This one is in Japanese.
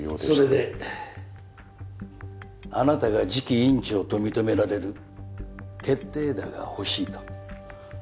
それであなたが次期院長と認められる決定打が欲しいと。